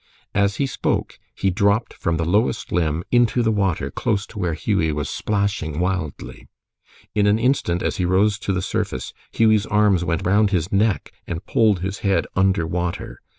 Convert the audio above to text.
As he spoke, he dropped from the lowest limb into the water close to where Hughie was splashing wildly. In an instant, as he rose to the surface, Hughie's arms went round his neck and pulled his head under water.